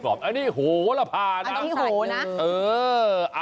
อันนี้โหลภาน้ำสัตว์อันนี้โหนะ